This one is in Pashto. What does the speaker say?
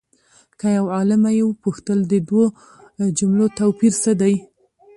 له یو عالمه یې وپوښتل د دوو جملو توپیر څه دی؟